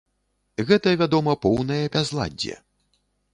Гэта вядома поўнае бязладдзе.